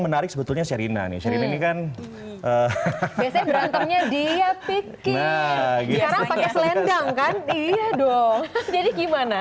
menarik sebetulnya sherina nih sherina ini kan biasanya berantemnya dia pikir sekarang pakai selendang kan iya dong jadi gimana